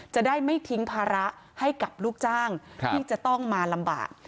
จะได้ไม่ทิ้งภาระให้กับลูกจ้างที่จะต้องมาลำบาก